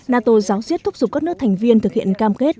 nato giáo diết thúc giục các nước thành viên thực hiện cam kết